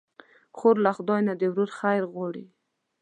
خور له خدای نه د ورور خیر غواړي.